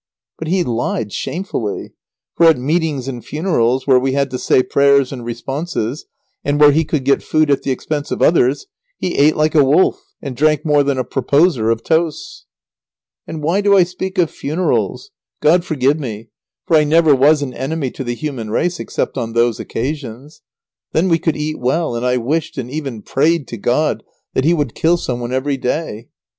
But he lied shamefully. For at meetings and funerals where we had to say prayers and responses, and where he could get food at the expense of others, he ate like a wolf and drank more than a proposer of toasts. [Sidenote: Lazaro prayed for the deaths of sick people, for the sake of the funeral feasts.] And why do I speak of funerals? God forgive me! for I never was an enemy to the human race except on those occasions. Then we could eat well, and I wished, and even prayed to God that He would kill some one every day.